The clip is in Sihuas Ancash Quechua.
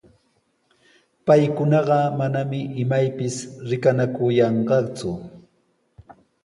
Paykunaqa manami imaypis rikanakuyanku,